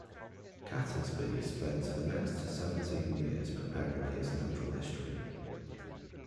Catesby spent the next seventeen years preparing his "Natural History".